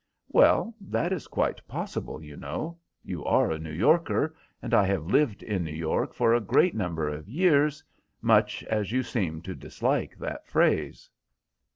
"Well, that is quite possible, you know. You are a New Yorker, and I have lived in New York for a great number of years, much as you seem to dislike that phrase."